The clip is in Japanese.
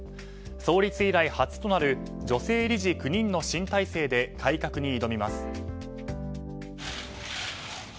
創立以来初となる女性理事９人の新体制で改革に挑みます。